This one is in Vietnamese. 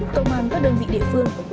công an các đơn vị địa phương